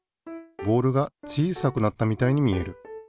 ボールが小さくなったみたいに見える。